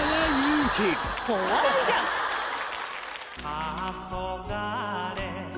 たそがれ